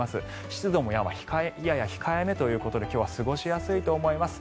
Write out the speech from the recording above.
湿度もやや控えめということで今日は過ごしやすいと思います。